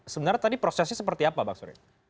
sebenarnya tadi prosesnya seperti apa bang suri